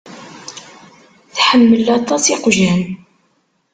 Tḥemmel aṭas iqjan.